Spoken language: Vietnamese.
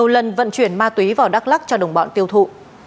đã vận chuyển ma túy vào đắk lắc cho đồng bọn tiêu thụ